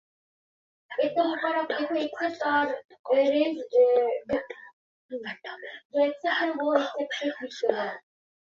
Important towns by size in the constituency include Kendal, Windermere and Kirkby Lonsdale.